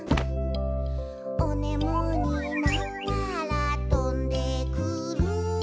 「おねむになったらとんでくる」